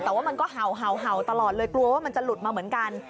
แต่ว่ามันก็เห่าตลอดเลยกลัวว่ามันจะหลุดมาเหมือนกัน